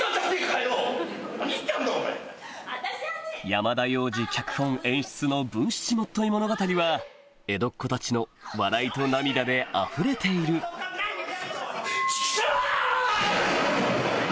山田洋次脚本・演出の『文七元結物語』は江戸っ子たちの笑いと涙であふれているチクショ！